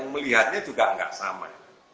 melihatnya juga nggak sama